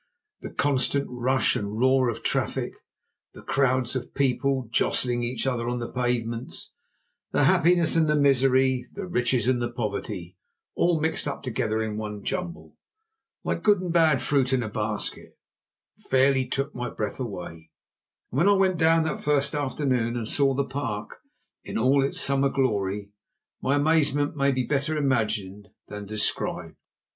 The constant rush and roar of traffic, the crowds of people jostling each other on the pavements, the happiness and the misery, the riches and the poverty, all mixed up together in one jumble, like good and bad fruit in a basket, fairly took my breath away; and when I went down, that first afternoon, and saw the Park in all its summer glory, my amazement may be better imagined than described.